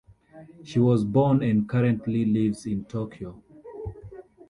She was born and currently lives in Tokyo.